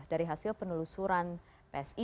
dari hasil penelusuran psi